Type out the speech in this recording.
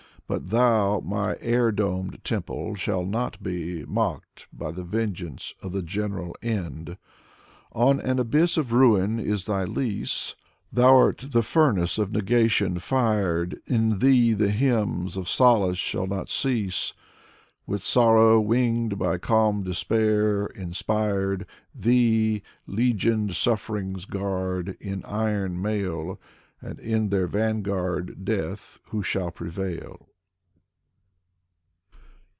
But thou, my air domed temple, shalt not be Mocked by the vengeance of the general end. On an abyss of ruin is thy lease, Thou'rt in the furnace of negation fired; n thee the hymns of solace shall not cease: With sorrow winged, by calm despair inspired. Thee, ^egioned sufferings guard, in iron mail. And in their vanguard Death, who shall prevail.